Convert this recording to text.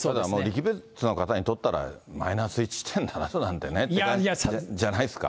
陸別の方にとったら、マイナス１．７度なんてねっていう感じじゃないですか。